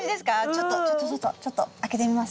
ちょっとちょっとちょっとちょっと開けてみます。